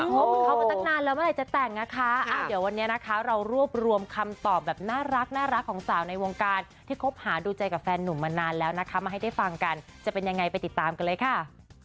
คบกับเขามาตั้งนานแล้วเมื่อไหร่จะแต่งนะคะเดี๋ยววันนี้นะคะเรารวบรวมคำตอบแบบน่ารักของสาวในวงการที่คบหาดูใจกับแฟนหนุ่มมานานแล้วนะคะมาให้ได้ฟังกันจะเป็นยังไงไปติดตามกันเลยค่ะ